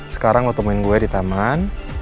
sekarang mau temuin gue di taman